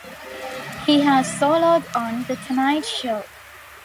He has soloed on "The Tonight Show".